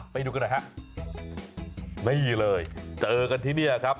ไปดูกันหน่อยฮะนี่เลยเจอกันที่เนี่ยครับ